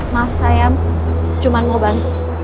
maaf saya cuma mau bantu